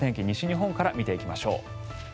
西日本から見ていきましょう。